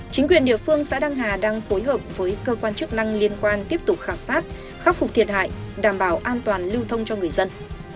chính quyền địa phương xã đăng hà đang phối hợp với cơ quan chức năng liên quan tiếp tục khảo sát khắc phục thiệt hại đảm bảo an toàn lưu thông cho người dân